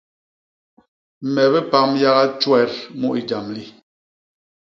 Me bipam yaga tjwet mu i jam li.